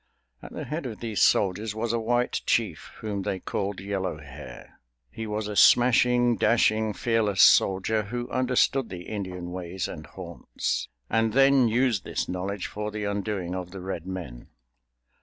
At the head of these soldiers was a white chief, whom they called Yellow Hair. He was a smashing, dashing, fearless soldier who understood the Indian ways and haunts, and then used this knowledge for the undoing of the Red Men.